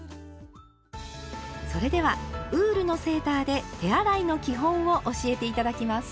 それではウールのセーターで手洗いの基本を教えて頂きます。